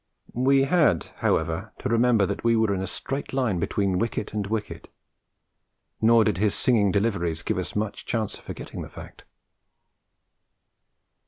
We had, however, to remember that we were in a straight line between wicket and wicket; nor did his singing deliveries give us much chance of forgetting the fact.